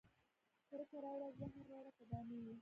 کرکه راوړه زهر راوړه که دا نه وي